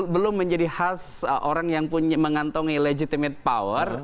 belum menjadi khas orang yang mengantongi legitimate power